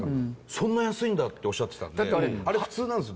「そんな安いんだ」っておっしゃってたんであれ普通なんですよ